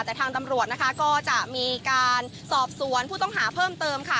แต่ทางตำรวจนะคะก็จะมีการสอบสวนผู้ต้องหาเพิ่มเติมค่ะ